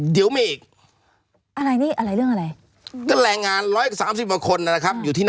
เดี๋ยวมีอีก